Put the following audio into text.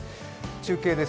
中継です。